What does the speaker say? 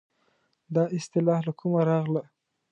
دا اصطلاح له کومه راغله.